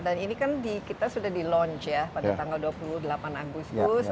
dan ini kan kita sudah di launch ya pada tanggal dua puluh delapan agustus